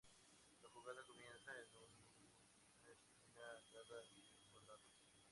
La jugada comienza en una esquina dada del cuadrado.